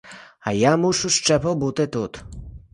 А я мушу ще побути тут.